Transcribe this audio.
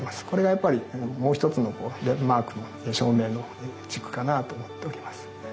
これがやっぱりもう一つのデンマークの照明の軸かなと思っております。